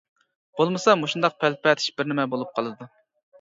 بولمىسا مۇشۇنداق پەلىپەتىش بىرنېمە بولۇپ قالىدۇ.